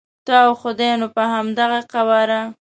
ته او خدای نو په همدغه قواره.